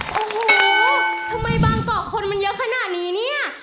โอ้โหทำไมบางเกาะคนมันเยอะขนาดนี้เนี่ย